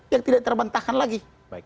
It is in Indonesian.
yang tidak terbantahkan lagi